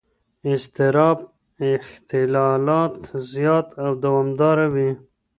اضطراب اختلالات زیات او دوامداره وي.